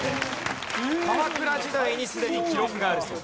鎌倉時代にすでに記録があるそうです。